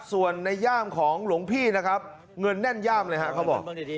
ส่วนในย่ามของหลวงพี่นะครับเงินแน่นย่ามเลยฮะเขาบอก